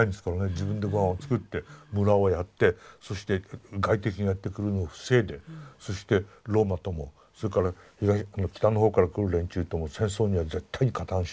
自分で御飯を作って村をやってそして外敵がやって来るのを防いでそしてローマともそれから北のほうから来る連中とも戦争には絶対に加担しない。